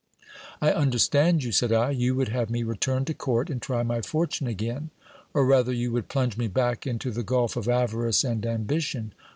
I understand you, said I ; you would have me return to court and try my fortune again, or rather you would plunge me back into the gulf of avarice and ambition.